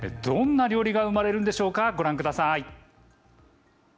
どんな料理が生まれるんでしょうか、ご覧ください。